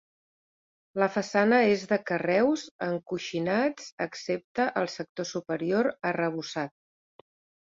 La façana és de carreus encoixinats, excepte al sector superior, arrebossat.